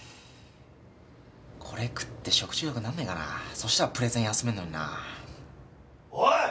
これ食って食中毒なんないかなそしたらプレゼン休めんのになおい！